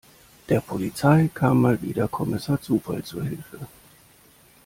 Der Polizei kam mal wieder Kommissar Zufall zur Hilfe.